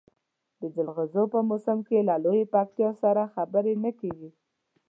د جلغوزیو په موسم کې له لویې پکتیا سره خبرې نه کېږي.